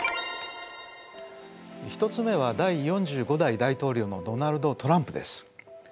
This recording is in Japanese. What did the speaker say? １つ目は第４５代大統領のドナルド・トランプです。